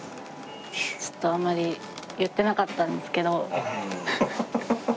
ちょっとあんまり言ってなかったんですけど。